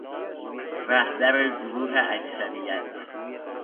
رهبر گروه اکثریت